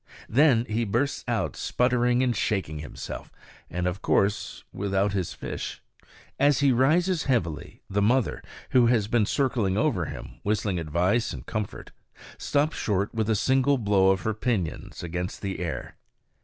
Then he bursts out, sputtering and shaking himself, and of course without his fish. As he rises heavily the mother, who has been circling over him whistling advice and comfort, stops short with a single blow of her pinions against the air.